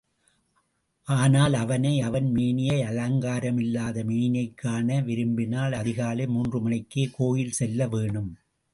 ஆனால் அவனை, அவன் மேனியை, அலங்காரமில்லாத மேனியைக் காண விரும்பினால், அதிகாலை மூன்று மணிக்கே கோயில் செல்ல வேணும்.